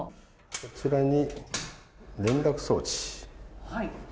こちらに、連絡装置。